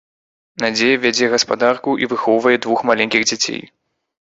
Надзея вядзе гаспадарку і выхоўвае дваіх маленькіх дзяцей.